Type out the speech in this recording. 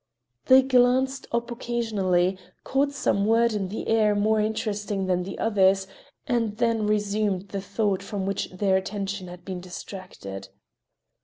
They glanced up occasionally, caught some word in the air more interesting than the others, and then resumed the thought from which their attention had been distracted.